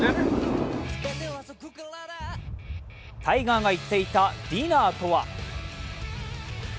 タイガーが言っていたディナーとは？